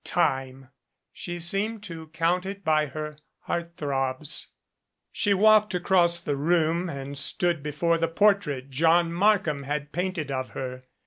Time ! She seemed to count it by her heart throbs. She walked across the room and stood before the por trait John Markham had painted of her.